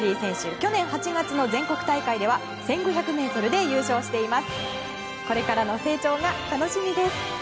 去年８月の全国大会では１５００ｍで優勝しています。